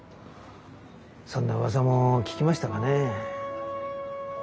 そんなうわさも聞きましたかね。